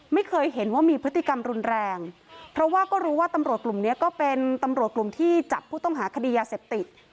ไม่เคยเห็นว่ามีพฤติกรรมรุนแรงเพราะว่าก็รู้ว่าตำรวจกลุ่มนี้ก็เป็นตำรวจกลุ่มที่จับผู้ต้องหาคดียาเสพติด